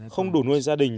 không đủ nuôi gia đình